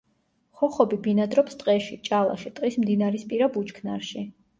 ხოხობი ბინადრობს ტყეში, ჭალაში, ტყის მდინარისპირა ბუჩქნარში.